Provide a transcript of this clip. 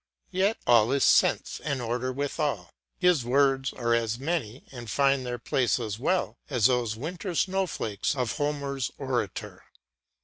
Yet all is sense and order withal; his words are as many, and find their place as well, as those 'winter snowflakes' of Homer's orator.